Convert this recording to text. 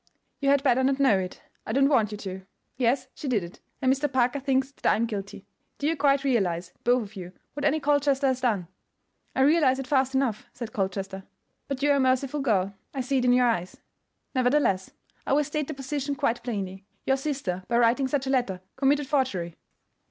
"You had better not know it; I don't want you to. Yes, she did it, and Mr. Parker thinks that I am guilty. Do you quite realize, both of you, what Annie Colchester has done?" "I realize it fast enough," said Colchester; "but you are a merciful girl. I see it in your eyes." "Nevertheless, I will state the position quite plainly. Your sister, by writing such a letter, committed forgery."